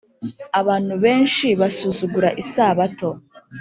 Abantu benshi basuzugura isabato